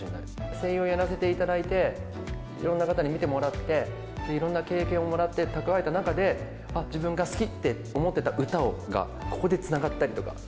声優をやらせていただいて、いろんな方に見てもらって、いろんな経験をもらって、蓄えた中で、あっ、自分が好きって思ってた歌がここでつながったりとか。